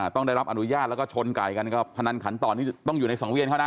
ต้องได้รับอนุญาตแล้วก็ชนไก่กันก็พนันขันต่อนี่ต้องอยู่ในสังเวียนเขานะ